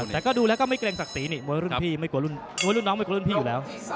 แต่ก็ดูแล้วก็ไม่เกรงศักดิ์ศรีนี่มวยรุ่นพี่ไม่กลัวรุ่นมวยรุ่นน้องไม่กลัวรุ่นพี่อยู่แล้ว